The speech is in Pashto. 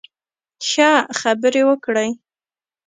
ښه، خبرې وکړئ